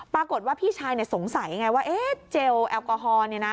ปรากฏว่าพี่ชายสงสัยไงว่าเจลแอลกอฮอล์เนี่ยนะ